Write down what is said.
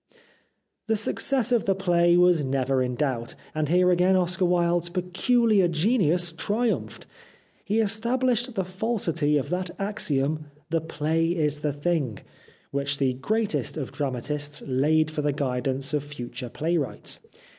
The success of the play was never in doubt, and here again Oscar Wilde's peculiar genius triumphed. He established the falsity of that axiom, "The play is the thing," which the greatest of dramatists laid for the guidance of future playwrights.